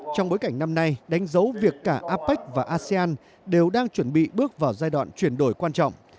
trong bối cảnh năm nay đánh dấu việc cả apec và asean đều đang chuẩn bị bước vào giai đoạn chuyển đổi quan trọng